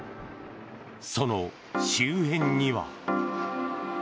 その周辺には。